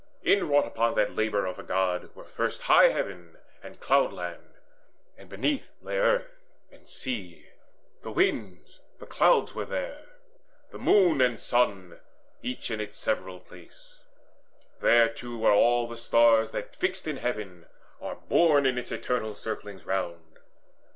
Inwrought upon that labour of a God Were first high heaven and cloudland, and beneath Lay earth and sea: the winds, the clouds were there, The moon and sun, each in its several place; There too were all the stars that, fixed in heaven, Are borne in its eternal circlings round.